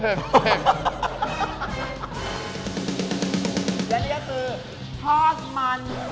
อันนี้ก็คือทอดมัน